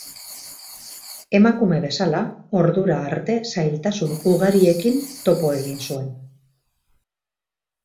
Emakume bezala, ordura arte zailtasun ugariekin topo egin zuen.